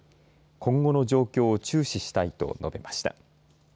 今後の状況を注視したいと述べました。